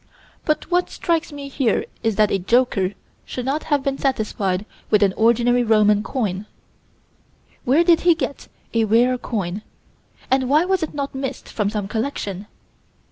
But what strikes me here is that a joker should not have been satisfied with an ordinary Roman coin. Where did he get a rare coin, and why was it not missed from some collection?